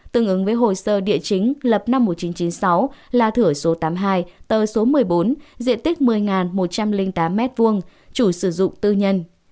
tương ứng với hồ sơ địa chính lập năm một nghìn chín trăm chín mươi sáu là thửa số tám mươi hai tờ số một mươi bốn diện tích một mươi một trăm linh tám m hai chủ sử dụng tư nhân